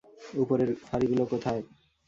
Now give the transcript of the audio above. উত্তরের ফাঁড়িগুলো কোথায়?